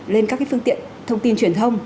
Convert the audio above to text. lên các phương tiện thông tin truyền thông